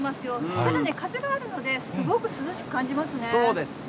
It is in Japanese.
ただ、風があるので、すごく涼しく感じますね。